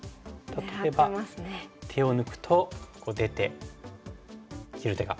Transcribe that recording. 例えば手を抜くと出て切る手がありますよね。